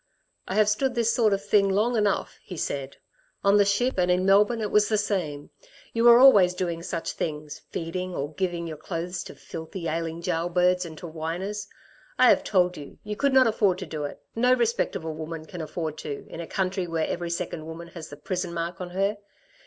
"I have stood this sort of thing long enough," he said. "On the ship and in Melbourne it was the same. You were always doing such things, feeding, or giving your clothes to filthy, ailing gaol birds and whiners. I have told you, you could not afford to do it. No respectable woman can afford to, in a country where every second woman has the prison mark on her.